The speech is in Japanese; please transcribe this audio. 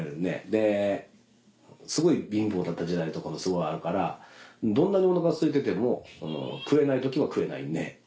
ですごい貧乏だった時代とかもすごいあるからどんなにお腹がすいてても食えない時は食えないんで。